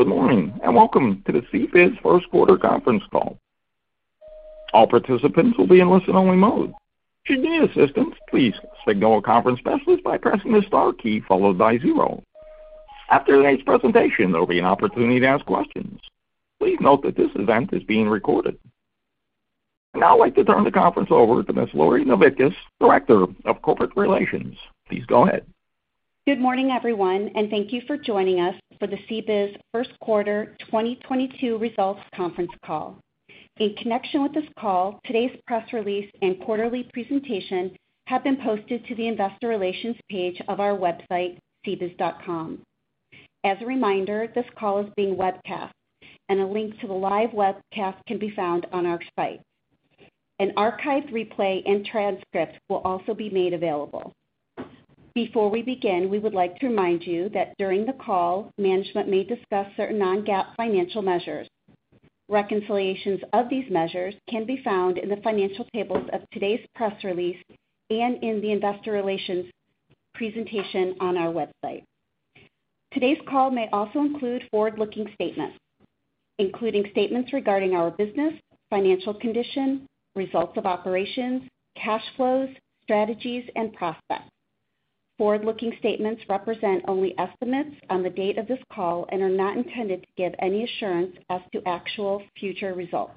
Good morning, and welcome to the CBIZ first quarter conference call. All participants will be in listen-only mode. Should you need assistance, please signal a conference specialist by pressing the star key followed by zero. After today's presentation, there'll be an opportunity to ask questions. Please note that this event is being recorded. I'd now like to turn the conference over to Ms. Lori Novickis, Director of Corporate Relations. Please go ahead. Good morning, everyone, and thank you for joining us for the CBIZ first quarter 2022 results conference call. In connection with this call, today's press release and quarterly presentation have been posted to the investor relations page of our website, cbiz.com. As a reminder, this call is being webcast, and a link to the live webcast can be found on our site. An archived replay and transcript will also be made available. Before we begin, we would like to remind you that during the call, management may discuss certain non-GAAP financial measures. Reconciliations of these measures can be found in the financial tables of today's press release and in the investor relations presentation on our website. Today's call may also include forward-looking statements, including statements regarding our business, financial condition, results of operations, cash flows, strategies, and prospects. Forward-looking statements represent only estimates on the date of this call and are not intended to give any assurance as to actual future results.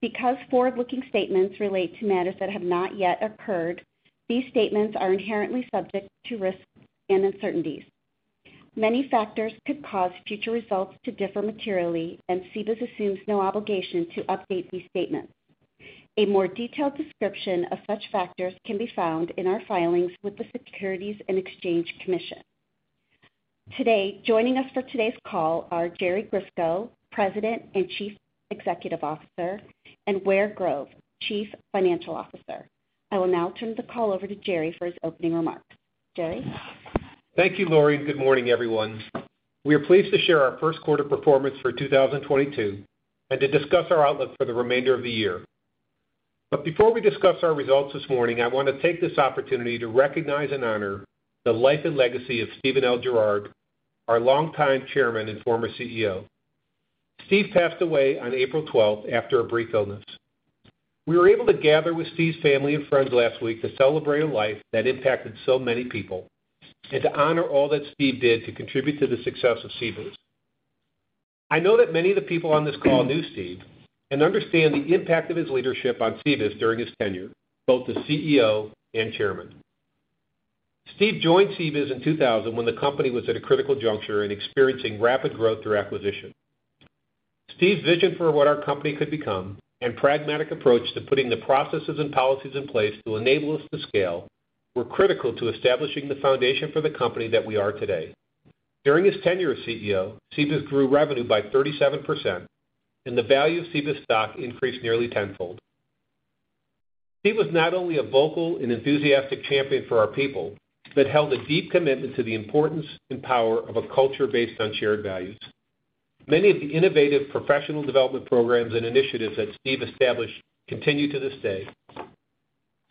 Because forward-looking statements relate to matters that have not yet occurred, these statements are inherently subject to risks and uncertainties. Many factors could cause future results to differ materially, and CBIZ assumes no obligation to update these statements. A more detailed description of such factors can be found in our filings with the Securities and Exchange Commission. Today, joining us for today's call are Jerry Grisko, President and Chief Executive Officer, and Ware Grove, Chief Financial Officer. I will now turn the call over to Jerry for his opening remarks. Jerry? Thank you, Lori, and good morning, everyone. We are pleased to share our first quarter performance for 2022 and to discuss our outlook for the remainder of the year. Before we discuss our results this morning, I wanna take this opportunity to recognize and honor the life and legacy of Steven L. Gerard, our longtime Chairman and former CEO. Steve passed away on April 12th after a brief illness. We were able to gather with Steve's family and friends last week to celebrate a life that impacted so many people and to honor all that Steve did to contribute to the success of CBIZ. I know that many of the people on this call knew Steve and understand the impact of his leadership on CBIZ during his tenure, both as CEO and Chairman. Steven L. Gerard joined CBIZ in 2000 when the company was at a critical juncture and experiencing rapid growth through acquisition. Steven L. Gerard's vision for what our company could become and pragmatic approach to putting the processes and policies in place to enable us to scale were critical to establishing the foundation for the company that we are today. During his tenure as CEO, CBIZ grew revenue by 37%, and the value of CBIZ stock increased nearly tenfold. Steven L. Gerard was not only a vocal and enthusiastic champion for our people, but held a deep commitment to the importance and power of a culture based on shared values. Many of the innovative professional development programs and initiatives that Steven L. Gerard established continue to this day.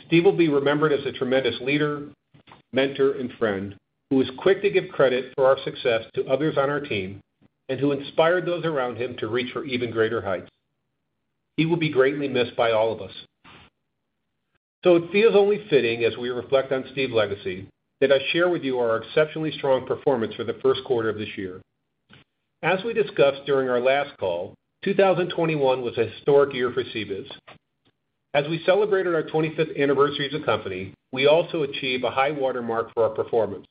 Steve will be remembered as a tremendous leader, mentor, and friend who was quick to give credit for our success to others on our team and who inspired those around him to reach for even greater heights. He will be greatly missed by all of us. It feels only fitting as we reflect on Steve's legacy that I share with you our exceptionally strong performance for the first quarter of this year. As we discussed during our last call, 2021 was a historic year for CBIZ. As we celebrated our 25th anniversary as a company, we also achieved a high watermark for our performance,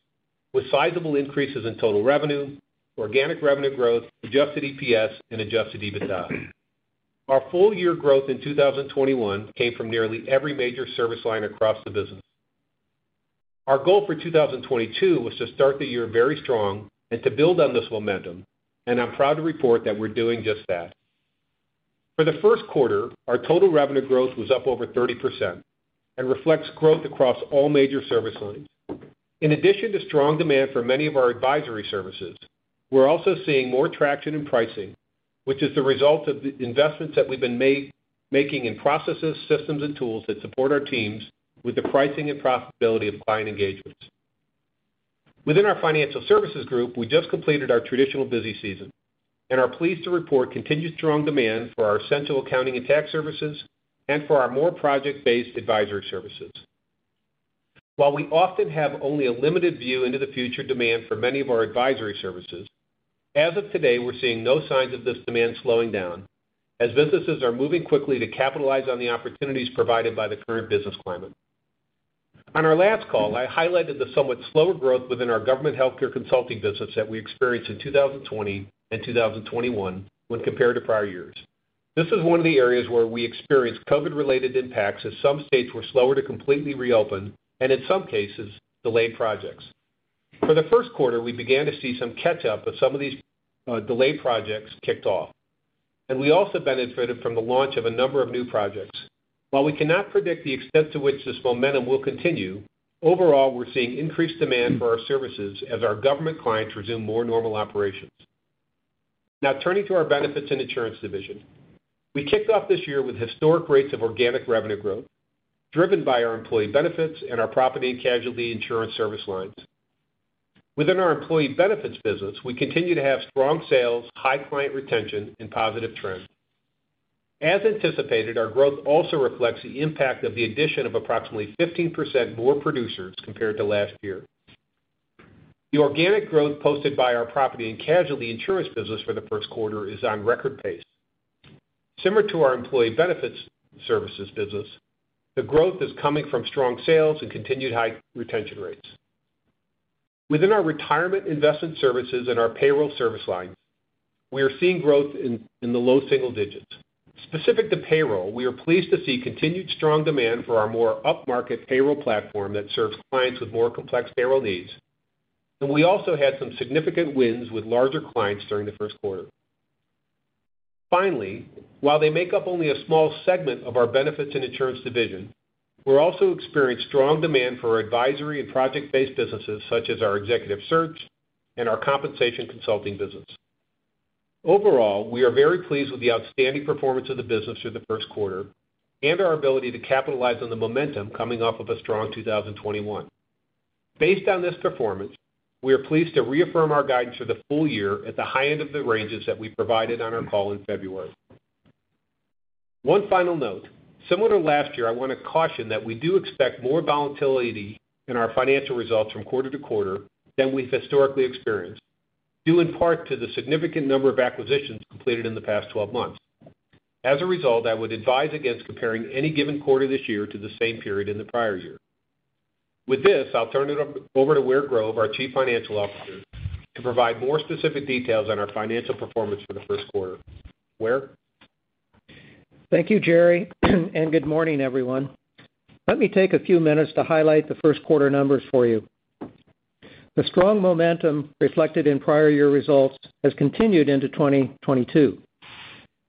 with sizable increases in total revenue, organic revenue growth, adjusted EPS, and adjusted EBITDA. Our full year growth in 2021 came from nearly every major service line across the business. Our goal for 2022 was to start the year very strong and to build on this momentum, and I'm proud to report that we're doing just that. For the first quarter, our total revenue growth was up over 30% and reflects growth across all major service lines. In addition to strong demand for many of our advisory services, we're also seeing more traction in pricing, which is the result of the investments that we've been making in processes, systems, and tools that support our teams with the pricing and profitability of client engagements. Within our financial services group, we just completed our traditional busy season and are pleased to report continued strong demand for our essential accounting and tax services and for our more project-based advisory services. While we often have only a limited view into the future demand for many of our advisory services, as of today, we're seeing no signs of this demand slowing down as businesses are moving quickly to capitalize on the opportunities provided by the current business climate. On our last call, I highlighted the somewhat slower growth within our government healthcare consulting business that we experienced in 2020 and 2021 when compared to prior years. This is one of the areas where we experienced COVID-related impacts as some states were slower to completely reopen and, in some cases, delayed projects. For the first quarter, we began to see some catch-up of some of these delayed projects kicked off, and we also benefited from the launch of a number of new projects. While we cannot predict the extent to which this momentum will continue, overall, we're seeing increased demand for our services as our government clients resume more normal operations. Now turning to our benefits and insurance division. We kicked off this year with historic rates of organic revenue growth. Driven by our employee benefits and our property and casualty insurance service lines. Within our employee benefits business, we continue to have strong sales, high client retention, and positive trends. As anticipated, our growth also reflects the impact of the addition of approximately 15% more producers compared to last year. The organic growth posted by our property and casualty insurance business for the first quarter is on record pace. Similar to our employee benefits services business, the growth is coming from strong sales and continued high retention rates. Within our retirement investment services and our payroll service lines, we are seeing growth in the low single digits. Specific to payroll, we are pleased to see continued strong demand for our more upmarket payroll platform that serves clients with more complex payroll needs, and we also had some significant wins with larger clients during the first quarter. Finally, while they make up only a small segment of our benefits and insurance division, we're also experiencing strong demand for our advisory and project-based businesses such as our executive search and our compensation consulting business. Overall, we are very pleased with the outstanding performance of the business through the first quarter and our ability to capitalize on the momentum coming off of a strong 2021. Based on this performance, we are pleased to reaffirm our guidance for the full year at the high end of the ranges that we provided on our call in February. One final note: similar to last year, I wanna caution that we do expect more volatility in our financial results from quarter to quarter than we've historically experienced, due in part to the significant number of acquisitions completed in the past 12 months. As a result, I would advise against comparing any given quarter this year to the same period in the prior year. With this, I'll turn it over to Ware Grove, our Chief Financial Officer, to provide more specific details on our financial performance for the first quarter. Ware? Thank you, Jerry, and good morning, everyone. Let me take a few minutes to highlight the first quarter numbers for you. The strong momentum reflected in prior year results has continued into 2022.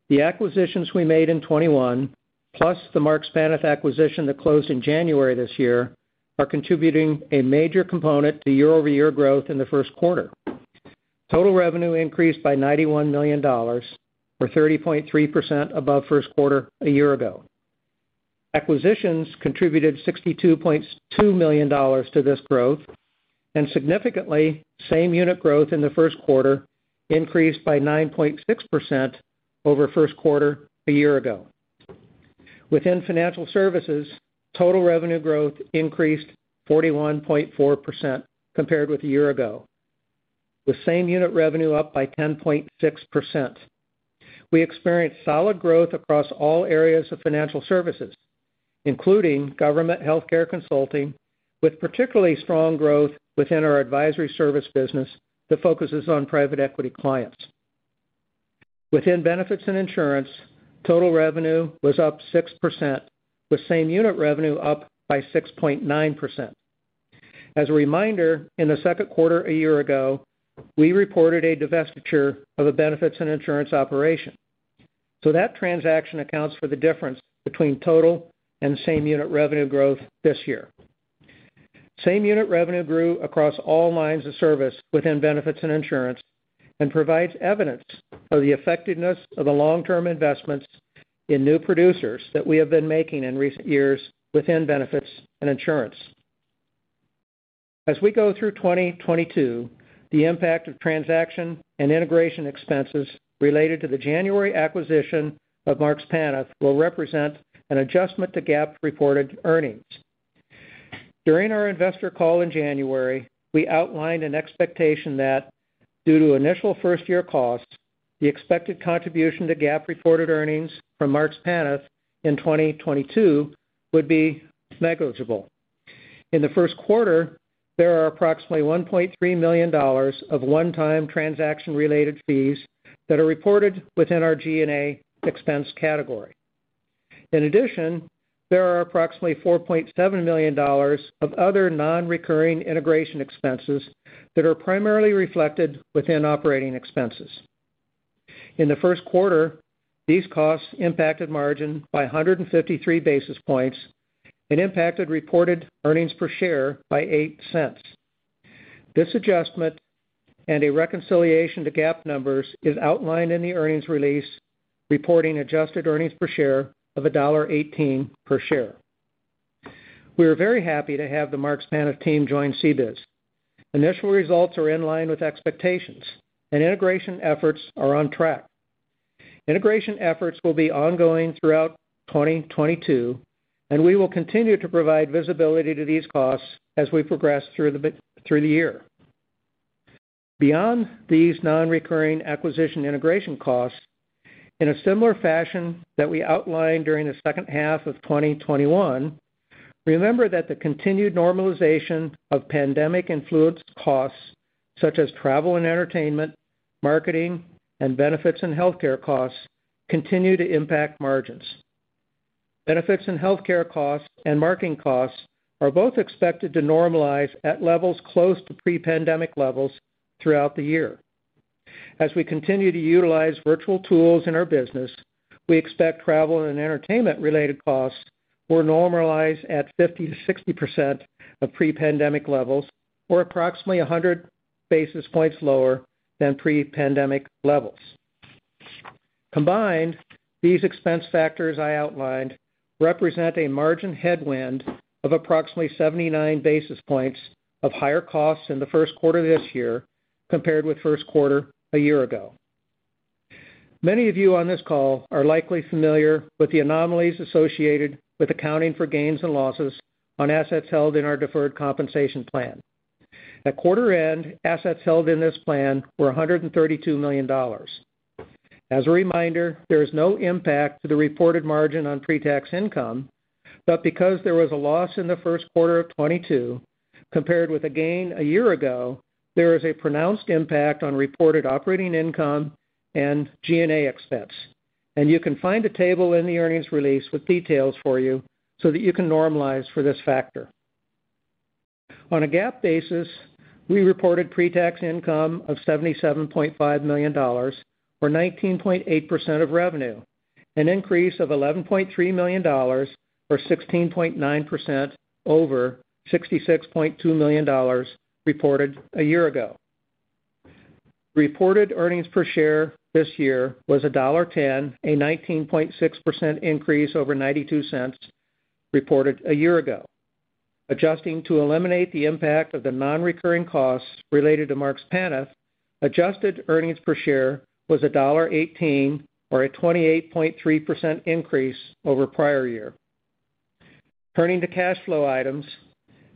The acquisitions we made in 2021, plus the Marks Paneth acquisition that closed in January this year, are contributing a major component to year-over-year growth in the first quarter. Total revenue increased by $91 million or 30.3% above first quarter a year ago. Acquisitions contributed $62.2 million to this growth, and significantly, same unit growth in the first quarter increased by 9.6% over first quarter a year ago. Within financial services, total revenue growth increased 41.4% compared with a year ago, with same unit revenue up by 10.6%. We experienced solid growth across all areas of financial services, including government healthcare consulting, with particularly strong growth within our advisory service business that focuses on private equity clients. Within benefits and insurance, total revenue was up 6%, with same unit revenue up by 6.9%. As a reminder, in the second quarter a year ago, we reported a divestiture of a benefits and insurance operation. That transaction accounts for the difference between total and same unit revenue growth this year. Same unit revenue grew across all lines of service within benefits and insurance and provides evidence of the effectiveness of the long-term investments in new producers that we have been making in recent years within benefits and insurance. As we go through 2022, the impact of transaction and integration expenses related to the January acquisition of Marks Paneth will represent an adjustment to GAAP reported earnings. During our investor call in January, we outlined an expectation that due to initial first-year costs, the expected contribution to GAAP reported earnings from Marks Paneth in 2022 would be negligible. In the first quarter, there are approximately $1.3 million of one-time transaction related fees that are reported within our G&A expense category. In addition, there are approximately $4.7 million of other non-recurring integration expenses that are primarily reflected within operating expenses. In the first quarter, these costs impacted margin by 153 basis points and impacted reported earnings per share by $0.08. This adjustment and a reconciliation to GAAP numbers is outlined in the earnings release, reporting adjusted earnings per share of $1.18 per share. We are very happy to have the Marks Paneth team join CBIZ. Initial results are in line with expectations and integration efforts are on track. Integration efforts will be ongoing throughout 2022, and we will continue to provide visibility to these costs as we progress through the year. Beyond these non-recurring acquisition integration costs, in a similar fashion that we outlined during the second half of 2021, remember that the continued normalization of pandemic influenced costs, such as travel and entertainment, marketing, and benefits and healthcare costs, continue to impact margins. Benefits and healthcare costs and marketing costs are both expected to normalize at levels close to pre-pandemic levels throughout the year. As we continue to utilize virtual tools in our business, we expect travel and entertainment related costs will normalize at 50%-60% of pre-pandemic levels or approximately 100 basis points lower than pre-pandemic levels. Combined, these expense factors I outlined represent a margin headwind of approximately 79 basis points of higher costs in the first quarter of this year compared with first quarter a year ago. Many of you on this call are likely familiar with the anomalies associated with accounting for gains and losses on assets held in our deferred compensation plan. At quarter end, assets held in this plan were $132 million. As a reminder, there is no impact to the reported margin on pretax income, but because there was a loss in the first quarter of 2022 compared with a gain a year ago, there is a pronounced impact on reported operating income and G&A expense. You can find a table in the earnings release with details for you so that you can normalize for this factor. On a GAAP basis, we reported pretax income of $77.5 million, or 19.8% of revenue, an increase of $11.3 million, or 16.9% over $66.2 million reported a year ago. Reported earnings per share this year was $1.10, a 19.6% increase over $0.92 reported a year ago. Adjusting to eliminate the impact of the non-recurring costs related to Marks Paneth, adjusted earnings per share was $1.18, or a 28.3% increase over prior year. Turning to cash flow items,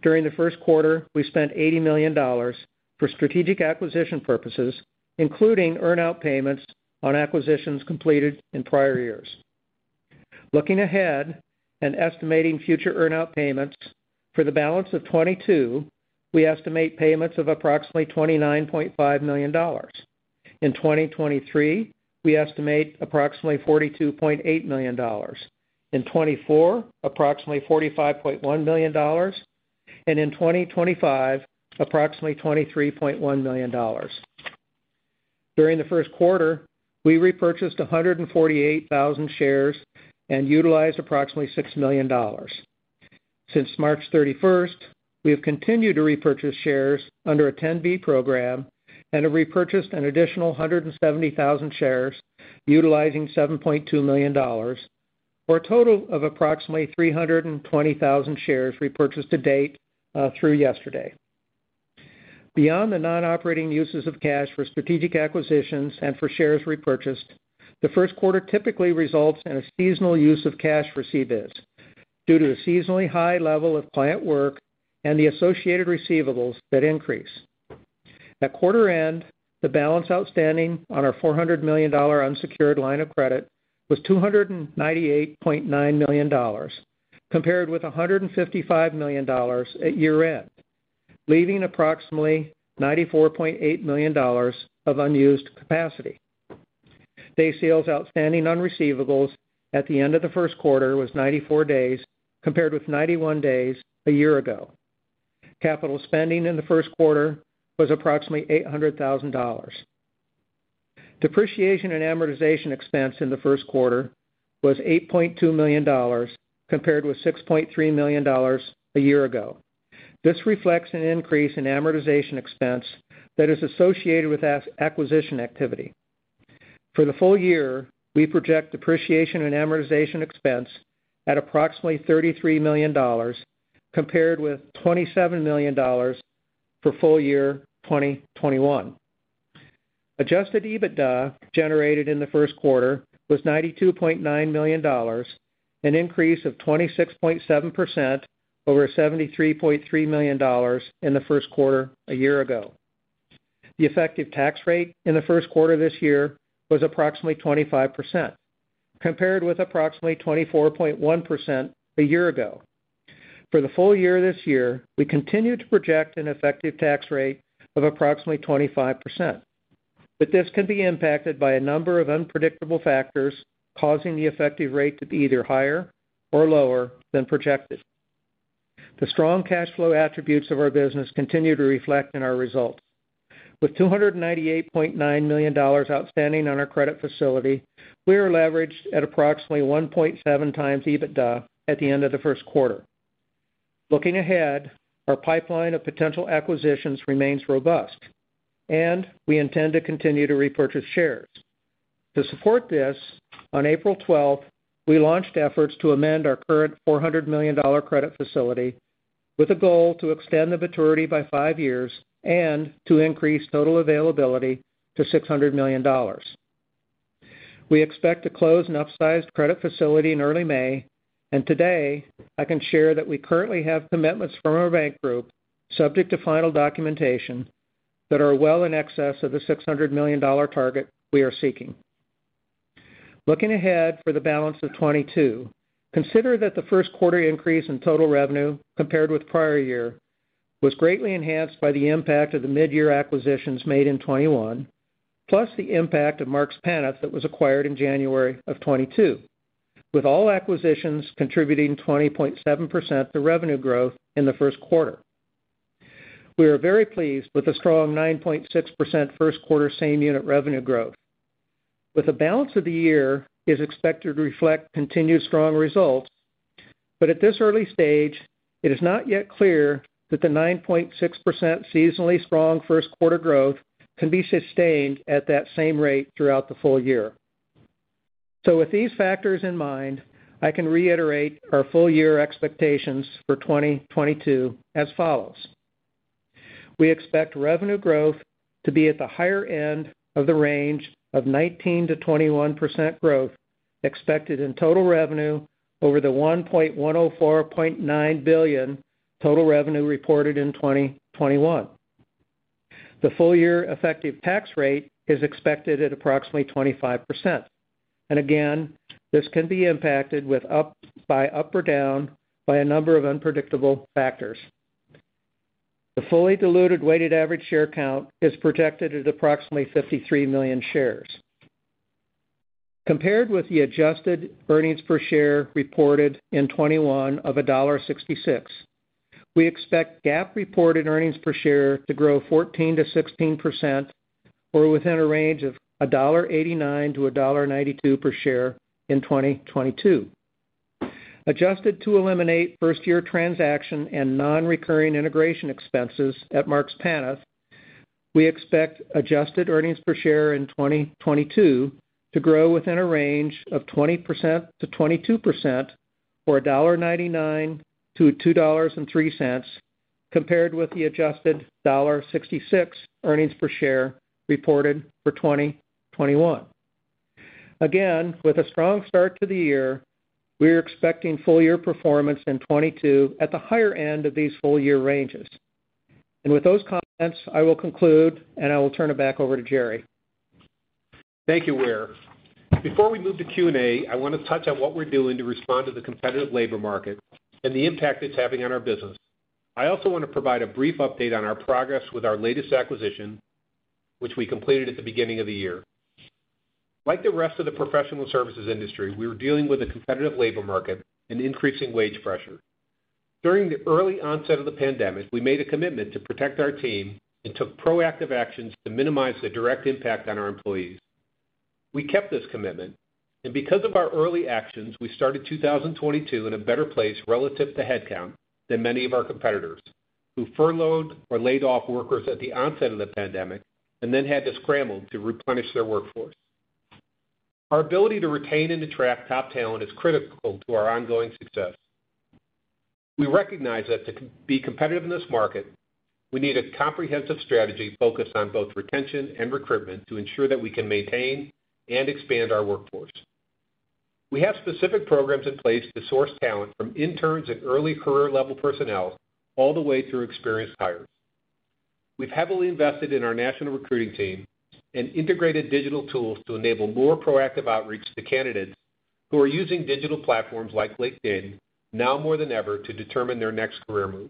during the first quarter, we spent $80 million for strategic acquisition purposes, including earn-out payments on acquisitions completed in prior years. Looking ahead and estimating future earn-out payments for the balance of 2022, we estimate payments of approximately $29.5 million. In 2023, we estimate approximately $42.8 million. In 2024, approximately $45.1 million, and in 2025, approximately $23.1 million. During the first quarter, we repurchased 148,000 shares and utilized approximately $6 million. Since March 31, we have continued to repurchase shares under a 10b5-1 program and have repurchased an additional 170,000 shares, utilizing $7.2 million, for a total of approximately 320,000 shares repurchased to date, through yesterday. Beyond the non-operating uses of cash for strategic acquisitions and for shares repurchased, the first quarter typically results in a seasonal use of cash received due to the seasonally high level of client work and the associated receivables that increase. At quarter end, the balance outstanding on our $400 million unsecured line of credit was $298.9 million, compared with $155 million at year end, leaving approximately $94.8 million of unused capacity. Day sales outstanding on receivables at the end of the first quarter was 94 days, compared with 91 days a year ago. Capital spending in the first quarter was approximately $800,000. Depreciation and amortization expense in the first quarter was $8.2 million, compared with $6.3 million a year ago. This reflects an increase in amortization expense that is associated with acquisition activity. For the full year, we project depreciation and amortization expense at approximately $33 million, compared with $27 million for full year 2021. Adjusted EBITDA generated in the first quarter was $92.9 million, an increase of 26.7% over $73.3 million in the first quarter a year ago. The effective tax rate in the first quarter this year was approximately 25%, compared with approximately 24.1% a year ago. For the full year this year, we continue to project an effective tax rate of approximately 25%, but this can be impacted by a number of unpredictable factors causing the effective rate to be either higher or lower than projected. The strong cash flow attributes of our business continue to reflect in our results. With $298.9 million outstanding on our credit facility, we are leveraged at approximately 1.7 times EBITDA at the end of the first quarter. Looking ahead, our pipeline of potential acquisitions remains robust, and we intend to continue to repurchase shares. To support this, on April 12th, we launched efforts to amend our current $400 million credit facility with a goal to extend the maturity by five years and to increase total availability to $600 million. We expect to close an upsized credit facility in early May, and today I can share that we currently have commitments from our bank group, subject to final documentation that are well in excess of the $600 million target we are seeking. Looking ahead for the balance of 2022, consider that the first quarter increase in total revenue compared with prior year was greatly enhanced by the impact of the midyear acquisitions made in 2021, plus the impact of Marks Paneth that was acquired in January of 2022, with all acquisitions contributing 20.7% to revenue growth in the first quarter. We are very pleased with the strong 9.6% first quarter same unit revenue growth. With the balance of the year is expected to reflect continued strong results. At this early stage, it is not yet clear that the 9.6% seasonally strong first quarter growth can be sustained at that same rate throughout the full year. With these factors in mind, I can reiterate our full year expectations for 2022 as follows. We expect revenue growth to be at the higher end of the range of 19%-21% growth expected in total revenue over the $1.1049 billion total revenue reported in 2021. The full year effective tax rate is expected at approximately 25%. This can be impacted by up or down by a number of unpredictable factors. The fully diluted weighted average share count is projected at approximately 53 million shares. Compared with the adjusted earnings per share reported in 2021 of $1.66, we expect GAAP reported earnings per share to grow 14%-16% or within a range of $1.89-$1.92 per share in 2022. Adjusted to eliminate first year transaction and non-recurring integration expenses at Marks Paneth, we expect adjusted earnings per share in 2022 to grow within a range of 20%-22% or $1.99-$2.03 compared with the adjusted $1.66 earnings per share reported for 2021. With a strong start to the year, we're expecting full year performance in 2022 at the higher end of these full year ranges. With those comments, I will conclude, and I will turn it back over to Jerry. Thank you, Ware. Before we move to Q&A, I want to touch on what we're doing to respond to the competitive labor market and the impact it's having on our business. I also want to provide a brief update on our progress with our latest acquisition, which we completed at the beginning of the year. Like the rest of the professional services industry, we are dealing with a competitive labor market and increasing wage pressure. During the early onset of the pandemic, we made a commitment to protect our team and took proactive actions to minimize the direct impact on our employees. We kept this commitment, and because of our early actions, we started 2022 in a better place relative to headcount than many of our competitors who furloughed or laid off workers at the onset of the pandemic and then had to scramble to replenish their workforce. Our ability to retain and attract top talent is critical to our ongoing success. We recognize that to be competitive in this market, we need a comprehensive strategy focused on both retention and recruitment to ensure that we can maintain and expand our workforce. We have specific programs in place to source talent from interns and early career level personnel all the way through experienced hires. We've heavily invested in our national recruiting team and integrated digital tools to enable more proactive outreach to candidates who are using digital platforms like LinkedIn now more than ever to determine their next career move.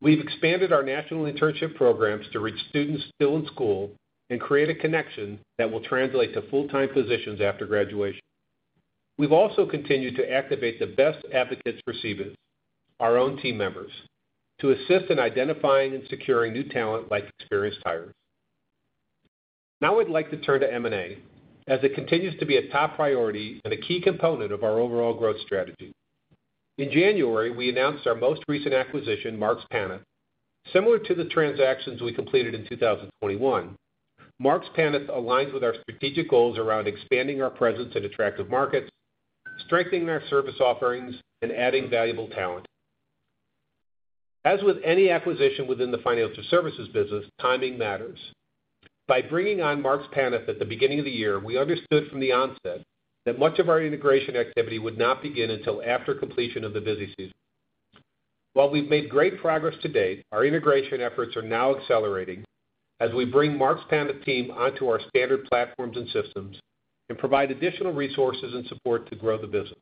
We've expanded our national internship programs to reach students still in school and create a connection that will translate to full-time positions after graduation. We've also continued to activate the best advocates for CBIZ, our own team members, to assist in identifying and securing new talent like experienced hires. Now I'd like to turn to M&A as it continues to be a top priority and a key component of our overall growth strategy. In January, we announced our most recent acquisition, Marks Paneth. Similar to the transactions we completed in 2021, Marks Paneth aligns with our strategic goals around expanding our presence in attractive markets, strengthening our service offerings, and adding valuable talent. As with any acquisition within the financial services business, timing matters. By bringing on Marks Paneth at the beginning of the year, we understood from the onset that much of our integration activity would not begin until after completion of the busy season. While we've made great progress to date, our integration efforts are now accelerating as we bring Marks Paneth team onto our standard platforms and systems and provide additional resources and support to grow the business.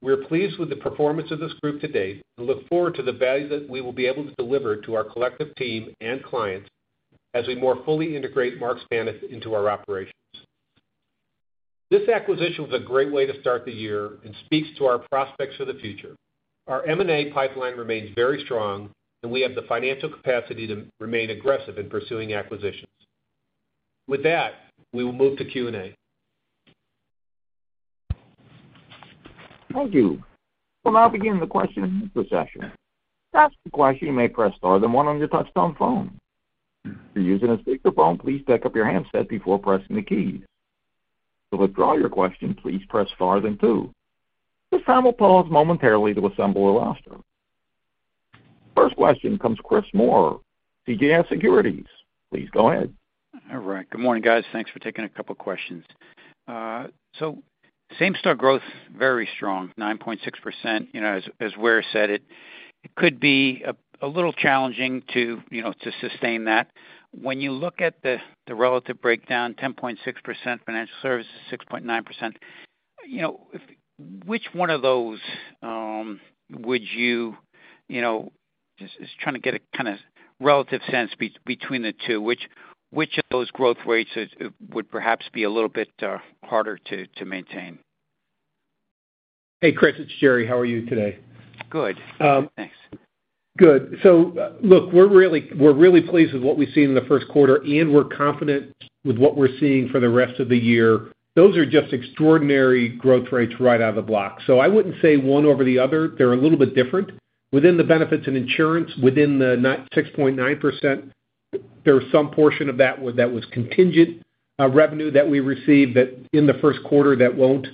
We are pleased with the performance of this group to date and look forward to the value that we will be able to deliver to our collective team and clients as we more fully integrate Marks Paneth into our operations. This acquisition was a great way to start the year and speaks to our prospects for the future. Our M&A pipeline remains very strong and we have the financial capacity to remain aggressive in pursuing acquisitions. With that, we will move to Q&A. Thank you. We'll now begin the question and answer session. To ask a question, you may press star then one on your touchtone phone. If you're using a speakerphone, please pick up your handset before pressing the keys. To withdraw your question, please press star then two. This time we'll pause momentarily to assemble our roster. First question comes Chris Moore, CJS Securities. Please go ahead. All right. Good morning, guys. Thanks for taking a couple questions. Same store growth, very strong, 9.6%. You know, as Ware said, it could be a little challenging to, you know, to sustain that. When you look at the relative breakdown, 10.6%, financial services, 6.9%, you know, which one of those would you know. Just trying to get a kinda relative sense between the two, which of those growth rates would perhaps be a little bit harder to maintain? Hey, Chris, it's Jerry. How are you today? Good. Thanks. Good. Look, we're really pleased with what we've seen in the first quarter, and we're confident with what we're seeing for the rest of the year. Those are just extraordinary growth rates right out of the block. I wouldn't say one over the other. They're a little bit different. Within the benefits and insurance, within the 6.9%, there's some portion of that that was contingent revenue that we received that in the first quarter that won't,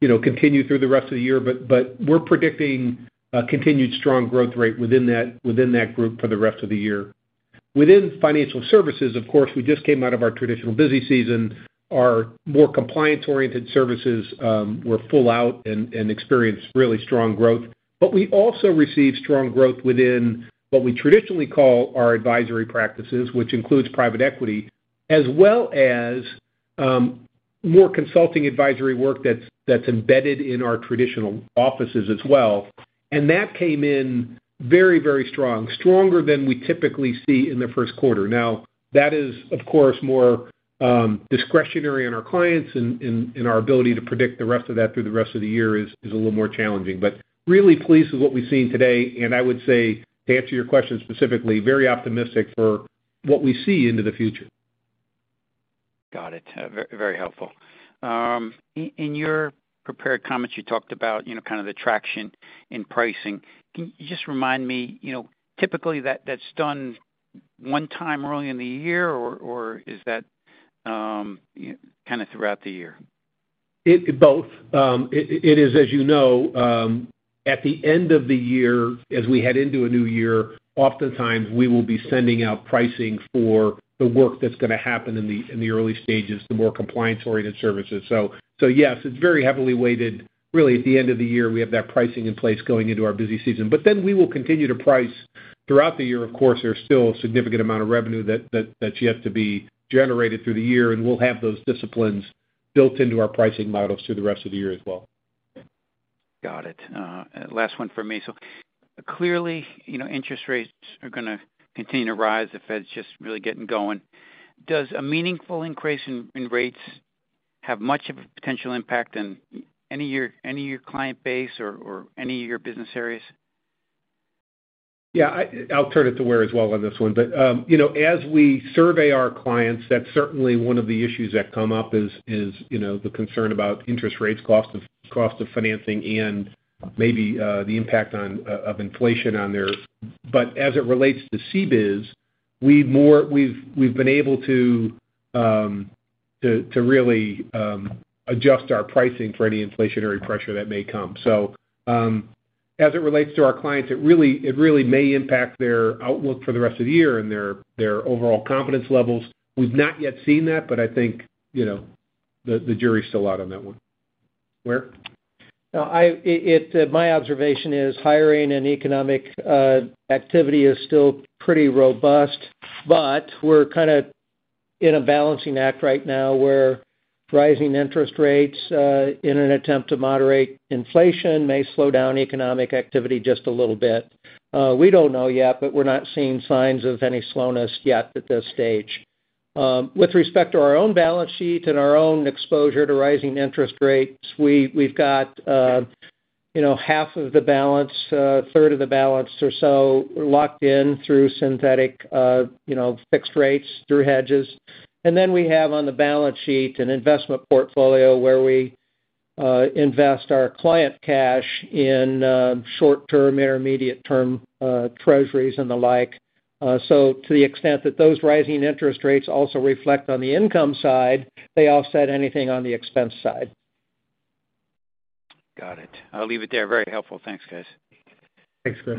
you know, continue through the rest of the year. But we're predicting a continued strong growth rate within that group for the rest of the year. Within financial services, of course, we just came out of our traditional busy season. Our more compliance-oriented services were full out and experienced really strong growth. We also received strong growth within what we traditionally call our advisory practices, which includes private equity, as well as, more consulting advisory work that's embedded in our traditional offices as well. That came in very, very strong, stronger than we typically see in the first quarter. Now, that is, of course, more discretionary in our clients and our ability to predict the rest of that through the rest of the year is a little more challenging. Really pleased with what we've seen today. I would say, to answer your question specifically, very optimistic for what we see into the future. Got it. Very helpful. In your prepared comments, you talked about, you know, kind of the traction in pricing. Can you just remind me, you know, typically that's done one time early in the year, or is that, you know, kind of throughout the year? Both. It is, as you know, at the end of the year, as we head into a new year, oftentimes we will be sending out pricing for the work that's gonna happen in the early stages, the more compliance-oriented services. Yes, it's very heavily weighted. Really at the end of the year, we have that pricing in place going into our busy season. We will continue to price throughout the year. Of course, there's still a significant amount of revenue that's yet to be generated through the year, and we'll have those disciplines built into our pricing models through the rest of the year as well. Got it. Last one for me. Clearly, you know, interest rates are gonna continue to rise. The Fed's just really getting going. Does a meaningful increase in rates have much of a potential impact on any of your client base or any of your business areas? Yeah, I'll turn it to Ware as well on this one. You know, as we survey our clients, that's certainly one of the issues that come up is the concern about interest rates, cost of financing, and maybe the impact of inflation on their. As it relates to CBIZ, we've been able to really adjust our pricing for any inflationary pressure that may come. As it relates to our clients, it really may impact their outlook for the rest of the year and their overall confidence levels. We've not yet seen that, but I think, you know, the jury's still out on that one. Ware? No, my observation is hiring and economic activity is still pretty robust, but we're kind of in a balancing act right now where rising interest rates in an attempt to moderate inflation may slow down economic activity just a little bit. We don't know yet, but we're not seeing signs of any slowness yet at this stage. With respect to our own balance sheet and our own exposure to rising interest rates, we've got, you know, half of the balance, a third of the balance or so locked in through synthetic, you know, fixed rates through hedges. We have on the balance sheet an investment portfolio where we invest our client cash in short-term, intermediate-term treasuries and the like. To the extent that those rising interest rates also reflect on the income side, they offset anything on the expense side. Got it. I'll leave it there. Very helpful. Thanks, guys. Thanks, Chris.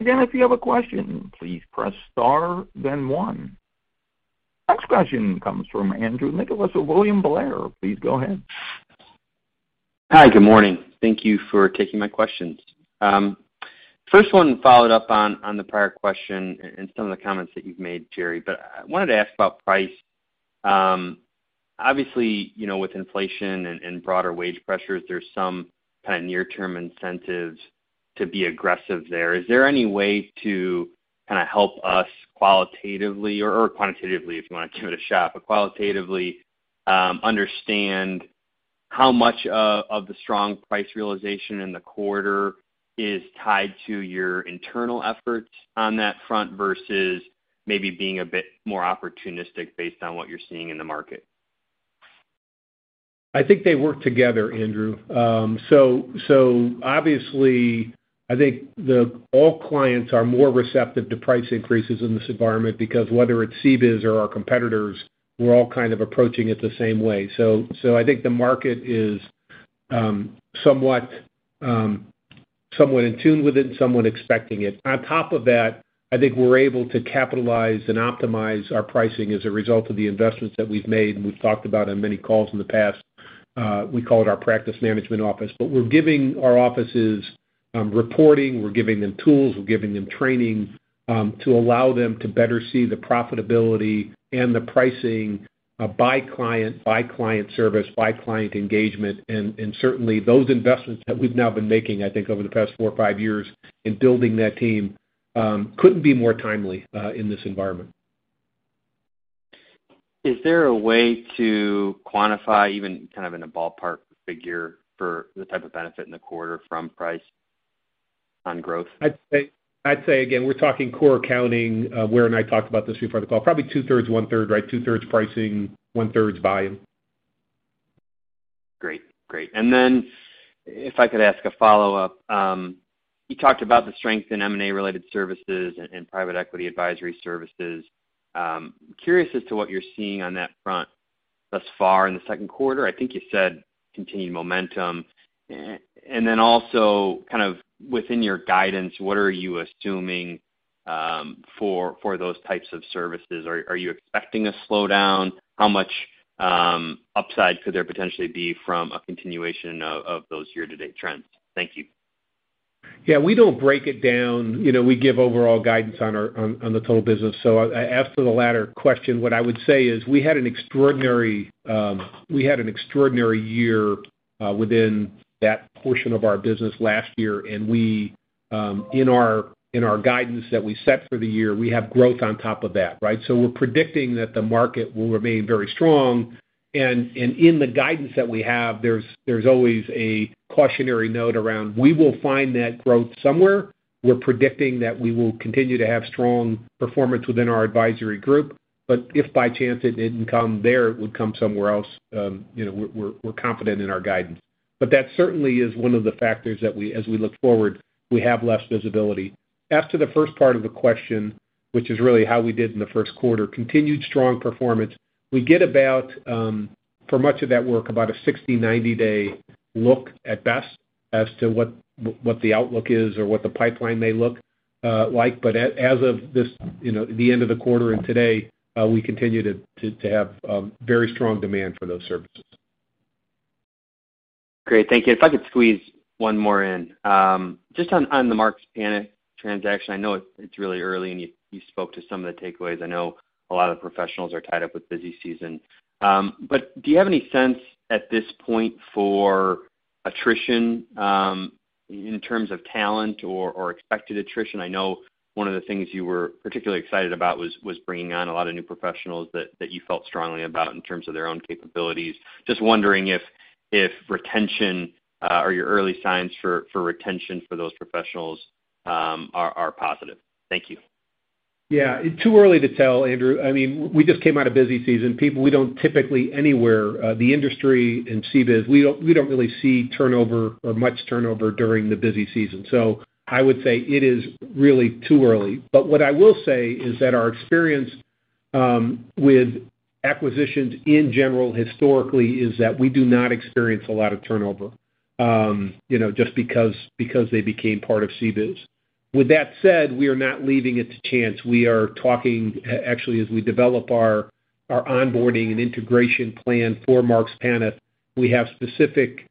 Again, if you have a question, please press star then one. Next question comes from Andrew Nicholas with William Blair. Please go ahead. Hi, good morning. Thank you for taking my questions. First one followed up on the prior question and some of the comments that you've made, Jerry, but I wanted to ask about price. Obviously, you know, with inflation and broader wage pressures, there's some kind of near-term incentives to be aggressive there. Is there any way to kind of help us qualitatively or quantitatively, if you want to give it a shot, but qualitatively, understand how much of the strong price realization in the quarter is tied to your internal efforts on that front versus maybe being a bit more opportunistic based on what you're seeing in the market? I think they work together, Andrew. Obviously, I think all clients are more receptive to price increases in this environment because whether it's CBIZ or our competitors, we're all kind of approaching it the same way. I think the market is somewhat in tune with it and somewhat expecting it. On top of that, I think we're able to capitalize and optimize our pricing as a result of the investments that we've made, and we've talked about on many calls in the past, we call it our practice management office. We're giving our offices reporting, we're giving them tools, we're giving them training to allow them to better see the profitability and the pricing by client, by client service, by client engagement. Certainly those investments that we've now been making, I think, over the past four or five years in building that team couldn't be more timely in this environment. Is there a way to quantify even kind of in a ballpark figure for the type of benefit in the quarter from price on growth? I'd say again, we're talking core accounting, where and I talked about this before the call, probably two-thirds, one-third, right? Two-thirds pricing, one-third volume. Great. If I could ask a follow-up. You talked about the strength in M&A-related services and private equity advisory services. Curious as to what you're seeing on that front thus far in the second quarter. I think you said continued momentum. Also kind of within your guidance, what are you assuming for those types of services? Are you expecting a slowdown? How much upside could there potentially be from a continuation of those year-to-date trends? Thank you. Yeah, we don't break it down. You know, we give overall guidance on the total business. As for the latter question, what I would say is we had an extraordinary year within that portion of our business last year, and we in our guidance that we set for the year, we have growth on top of that, right? We're predicting that the market will remain very strong. In the guidance that we have, there's always a cautionary note around we will find that growth somewhere. We're predicting that we will continue to have strong performance within our advisory group, but if by chance it didn't come there, it would come somewhere else. You know, we're confident in our guidance. That certainly is one of the factors that as we look forward, we have less visibility. As to the first part of the question, which is really how we did in the first quarter, continued strong performance. We get about, for much of that work, about a 60-90-day look at best as to what the outlook is or what the pipeline may look like. As of this, you know, the end of the quarter and today, we continue to have very strong demand for those services. Great. Thank you. If I could squeeze one more in. Just on the Marks Paneth transaction, I know it's really early, and you spoke to some of the takeaways. I know a lot of professionals are tied up with busy season. But do you have any sense at this point for attrition in terms of talent or expected attrition? I know one of the things you were particularly excited about was bringing on a lot of new professionals that you felt strongly about in terms of their own capabilities. Just wondering if retention or your early signs for retention for those professionals are positive. Thank you. Yeah. Too early to tell, Andrew. I mean, we just came out of busy season. People, we don't typically anywhere, the industry and CBIZ, we don't really see turnover or much turnover during the busy season. I would say it is really too early. What I will say is that our experience with acquisitions in general historically is that we do not experience a lot of turnover, you know, just because they became part of CBIZ. With that said, we are not leaving it to chance. We are talking, actually as we develop our onboarding and integration plan for Marks Paneth. We have specific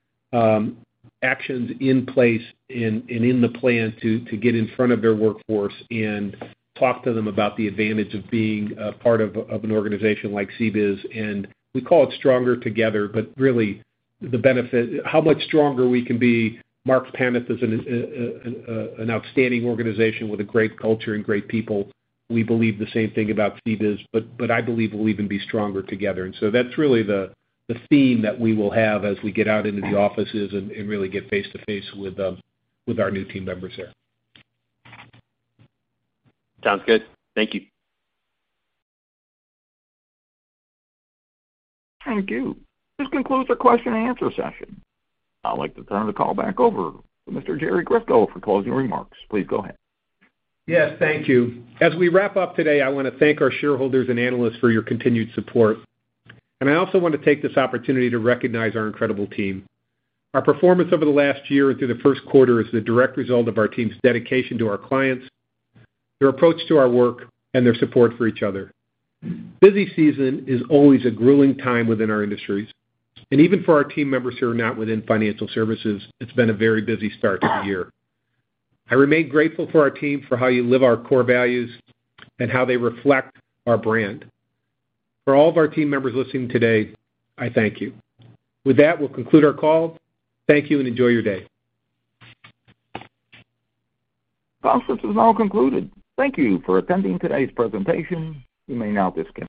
actions in place and in the plan to get in front of their workforce and talk to them about the advantage of being a part of an organization like CBIZ. We call it stronger together, but really the benefit, how much stronger we can be. Marks Paneth is an outstanding organization with a great culture and great people. We believe the same thing about CBIZ, but I believe we'll even be stronger together. That's really the theme that we will have as we get out into the offices and really get face-to-face with our new team members there. Sounds good. Thank you. Thank you. This concludes our question-and-answer session. I'd like to turn the call back over to Mr. Jerry Grisko for closing remarks. Please go ahead. Yes, thank you. As we wrap up today, I wanna thank our shareholders and analysts for your continued support. I also want to take this opportunity to recognize our incredible team. Our performance over the last year and through the first quarter is the direct result of our team's dedication to our clients, their approach to our work, and their support for each other. Busy season is always a grueling time within our industries. Even for our team members who are not within financial services, it's been a very busy start to the year. I remain grateful for our team, for how you live our core values and how they reflect our brand. For all of our team members listening today, I thank you. With that, we'll conclude our call. Thank you and enjoy your day. Conference is now concluded. Thank you for attending today's presentation. You may now disconnect.